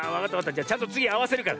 じゃちゃんとつぎあわせるから。